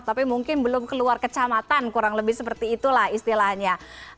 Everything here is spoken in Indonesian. tapi mungkin belum keluar kecamatan kurang lebih seperti itulah istilahnya